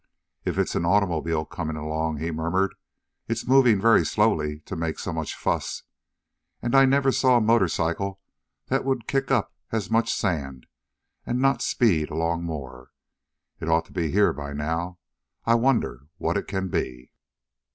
"If it's an automobile coming along," he murmured, "it's moving very slowly, to make so much fuss. And I never saw a motor cycle that would kick up as much sand, and not speed along more. It ought to be here by now. I wonder what it can be?"